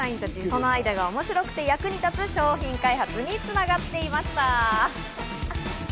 そのアイデアが面白くて役に立つ商品開発に繋がっていました。